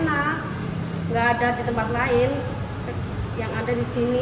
tidak ada di tempat lain yang ada di sini